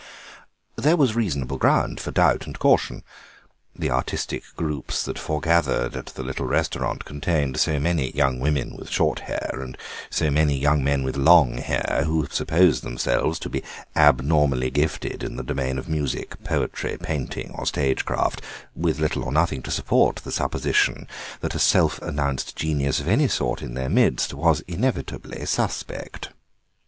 There was reasonable ground for doubt and caution; the artistic groups that foregathered at the little restaurant contained so many young women with short hair and so many young men with long hair, who supposed themselves to be abnormally gifted in the domain of music, poetry, painting, or stagecraft, with little or nothing to support the supposition, that a self announced genius of any sort in their midst was inevitably suspect.